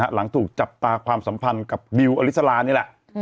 หลังถูกจับตาความสัมพันธ์กับดิวอลิสลานี่แหละ